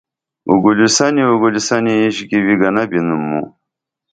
اگولیسنی اگولیسنی اینش گی ویگِنہ بِنُم موں